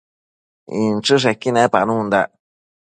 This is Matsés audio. inchËshequi nepanundac